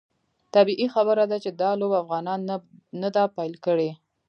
طبیعي خبره ده چې دا لوبه افغانانو نه ده پیل کړې.